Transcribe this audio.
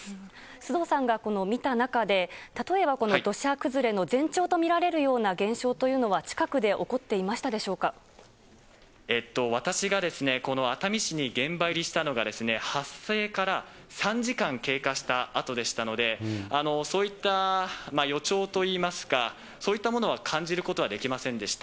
須藤さんが見た中で、例えばこの土砂崩れの前兆と見られるような現象というのは近くで私がこの熱海市に現場入りしたのが、発生から３時間経過したあとでしたので、そういった予兆といいますか、そういったものは感じることはできませんでした。